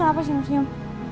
kamu kenapa senyum senyum